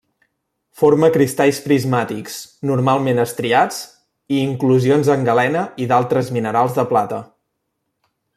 Forma cristalls prismàtics, normalment estriats, i inclusions en galena i d'altres minerals de plata.